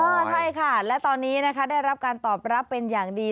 ใช่ค่ะและตอนนี้นะคะได้รับการตอบรับเป็นอย่างดี